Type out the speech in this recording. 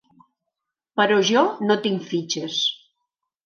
Però jo no tinc fitxes.